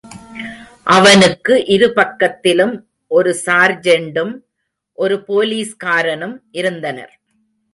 அவனுக்கு இரு பக்கத்திலும் ஒரு சார்ஜென்டும், ஒரு போலிஸ்காரனும் இருந்தனர்.